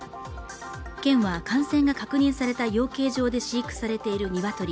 県は感染が確認された養鶏場で飼育されているニワトリ